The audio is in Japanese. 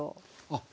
あっ！